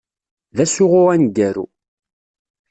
D asuɣu aneggaru.